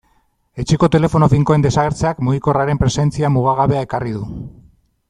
Etxeko telefono finkoen desagertzeak mugikorraren presentzia mugagabea ekarri du.